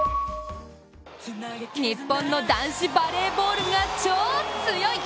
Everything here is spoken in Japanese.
日本の男子バレーボールが超強い！